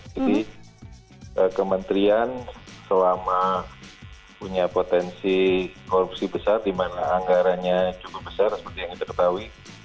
kementerian selama punya potensi korupsi besar di mana anggarannya cukup besar seperti yang kita ketahui